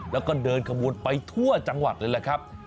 แล้วก็เดินขบวนไปทั่วจังหวัดเลยแหละครับ